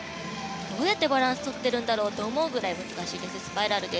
どうやってバランスをとってるんだろうと思うくらい難しいデススパイラルです。